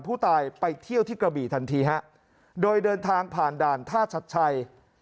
ผู้ตายไปเที่ยวที่กระบี่ทันทีฮะโดยเดินทางผ่านด่านท่าชัดชัย